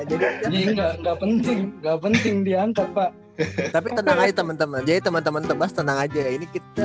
enggak penting enggak penting diangkat pak teman teman teman teman tenang aja ini kita